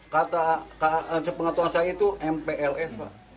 kata pengetahuan saya itu mpls pak